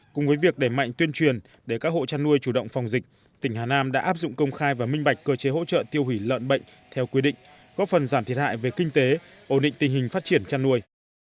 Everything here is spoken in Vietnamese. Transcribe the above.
cùng với việc đẩy mạnh tuyên truyền để các hộ chăn nuôi chủ động phòng dịch tỉnh hà nam đã áp dụng công khai và minh bạch cơ chế hỗ trợ tiêu hủy lợn bệnh theo quy định góp phần giảm thiệt hại về kinh tế ổn định tình hình phát triển chăn nuôi